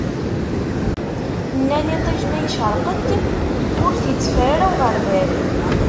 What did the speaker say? Nnan iṭij ma icreq-d, ur t-iteffer ara uɣerbal.